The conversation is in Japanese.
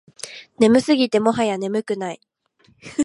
眠すぎてもはや眠くない